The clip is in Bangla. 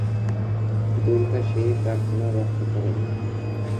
দুর্গা সেই প্রার্থনা রক্ষা করেন।